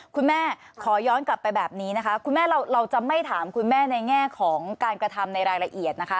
ขอย้อนกลับไปแบบนี้นะคะคุณแม่เราจะไม่ถามคุณแม่ในแง่ของการกระทำในรายละเอียดนะคะ